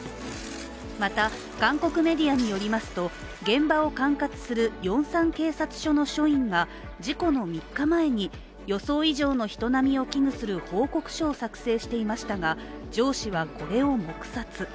また韓国メディアによりますと、現場を管轄するヨンサン警察署の署員が事故の３日前に予想以上の人波を危惧する報告書を策定していましたが上司はこれを黙殺。